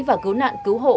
và cứu nạn cứu hồ